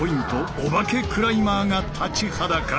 「お化けクライマー」が立ちはだかる。